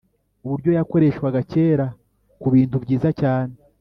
uburyo yakoreshwaga kera ku bintubyiza cyane